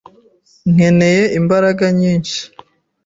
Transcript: Nkeneye imbaraga nyinshi.